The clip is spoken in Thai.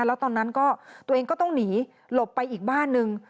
แล้วตอนนั้นก็ตัวเองก็ต้องหนีหลบไปอีกบ้านนึง